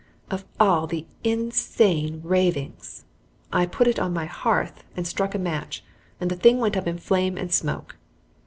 Of all the insane ravings! I put it on my hearth and struck a match, and the thing went up in flame and smoke.